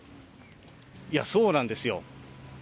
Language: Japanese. そうなんですよ。